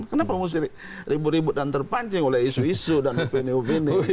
kenapa mesti ribut ribut dan terpancing oleh isu isu dan opini opini